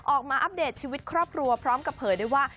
อัปเดตชีวิตครอบครัวพร้อมกับเผยด้วยว่า